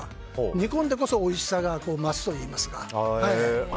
煮込んでこそおいしさが増すといいますか。